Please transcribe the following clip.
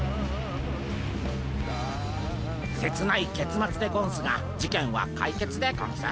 切ないけつまつでゴンスが事件は解決でゴンス。